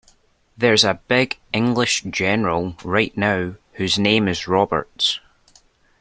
There's a big English general right now whose name is Roberts.